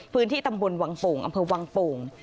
พื้นที่ตำบลวังโป่งอำเภอวังโป่ง